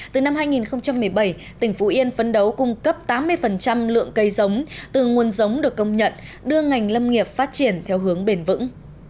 từ năm hai nghìn một mươi bảy tỉnh phú yên phấn đấu cung cấp tám mươi lượng cây giống từ nguồn giống được công nhận đưa ngành lâm nghiệp phát triển theo hướng bền vững